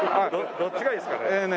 どっちがいいですかね？